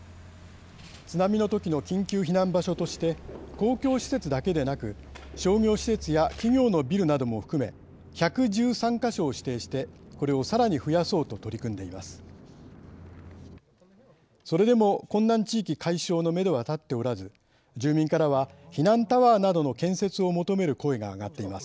津波のときの緊急避難場所として公共施設だけでなく商業施設や企業のビルなども含め１１３か所を指定してこれをさらに増やそうと取り組んでいます。